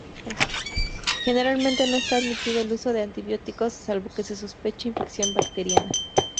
Generalmente no está admitido el uso de antibióticos salvo que se sospeche infección bacteriana.